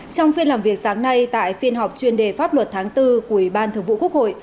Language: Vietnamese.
trong phiên làm việc sáng nay tại phiên họp chuyên đề pháp luật tháng bốn của ủy ban thường vụ quốc hội